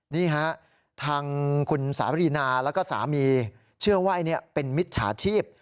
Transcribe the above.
นี่ฮะทางคุณสารีนาแล้วก็สามีเชื่อว่าอันนี้เป็นมิจฉาชีพ